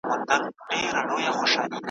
د مېړه له بدرنګیه کړېدله `